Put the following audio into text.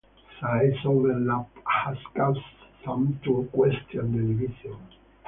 Size overlap has caused some to question the division.